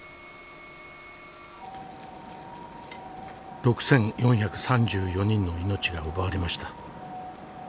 ６，４３４人の命が奪われました。